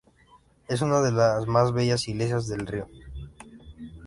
Es una de las más bellas iglesias de Río.